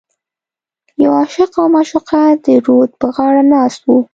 یو عاشق او معشوقه د رود په غاړه ناست و.